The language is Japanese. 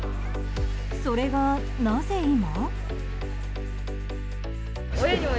それが、なぜ今？